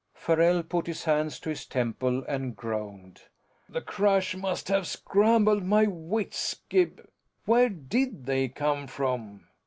Farrell put his hands to his temples and groaned. "The crash must have scrambled my wits. Gib, where did they come from?"